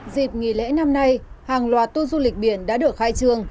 dịp nghỉ lễ năm nay hàng loạt tu dung lịch biển đã được khai trương